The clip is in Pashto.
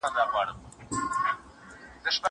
زه کولای سم واښه راوړم!